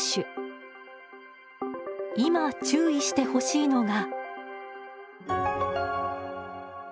今注意してほしいのが。